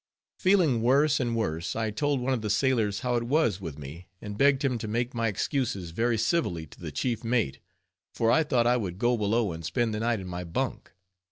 Feeling worse and worse, I told one of the sailors how it was with me, and begged him to make my excuses very civilly to the chief mate, for I thought I would go below and spend the night in my bunk.